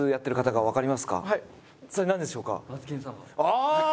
ああ！